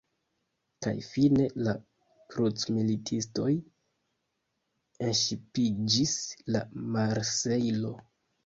Kaj fine la “krucmilitistoj” enŝipiĝis en Marsejlo.